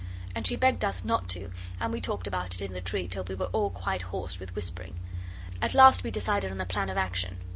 And she begged us not to, and we talked about it in the tree till we were all quite hoarse with whispering. At last we decided on a plan of action.